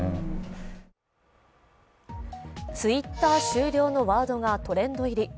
「Ｔｗｉｔｔｅｒ終了」のワードがトレンド入り。